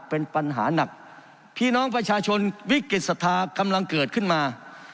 เป็นปัญหานักพี่น้องประชาชนวิกฤตศรัทธากำลังเกิดขึ้นมา